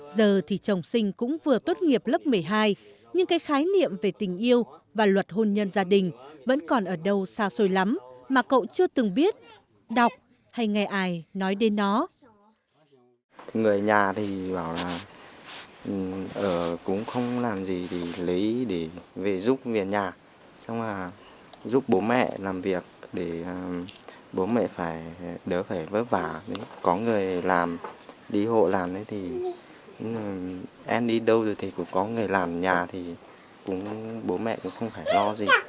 giờ thì chồng sinh cũng vừa tốt nghiệp lớp một mươi hai nhưng cái khái niệm về tình yêu và luật hôn nhân gia đình vẫn còn ở đâu xa xôi lắm mà cậu chưa từng biết đọc hay nghe ai nói đến nó